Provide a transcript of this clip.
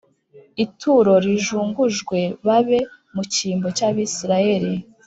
Ituro rijungujwe babe mu cyimbo cy abisirayeli